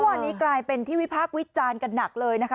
วันนี้กลายเป็นที่วิพากษ์วิจารณ์กันหนักเลยนะคะ